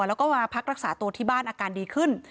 แล้วก็มาพักรักษาตัวที่บ้านอาการดีขึ้น